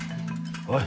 おい。